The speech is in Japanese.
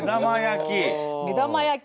目玉焼き！